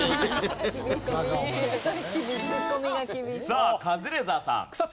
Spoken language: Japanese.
さあカズレーザーさん。